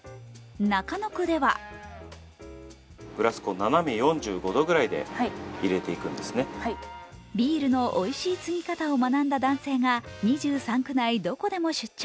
中野区ではビールのおいしいつぎ方を学んだ男性が２３区内、どこでも出張。